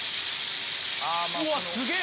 うわっすげえ！